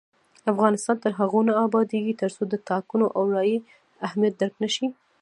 افغانستان تر هغو نه ابادیږي، ترڅو د ټاکنو او رایې اهمیت درک نشي.